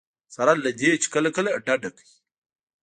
سره له دې چې کله کله ډډه کوي.